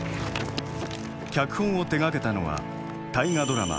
脚本を手がけたのは大河ドラマ